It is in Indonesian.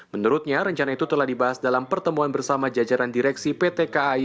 menurutnya rencana itu telah dibahas dalam pertemuan bersama jajaran direksi pt kai